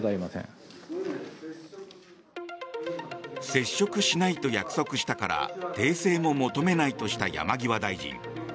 接触しないと約束したから訂正も求めないとした山際大臣。